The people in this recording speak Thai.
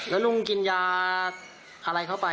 แล้วลุงกินยาอะไรเข้าไป